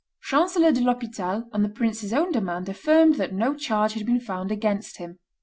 Chancellor de l'Hospital, on the prince's own demand, affirmed that no charge had been found against him.